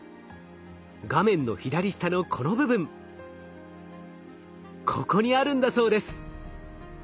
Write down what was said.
画面の左下のこの部分ここにあるんだそうです。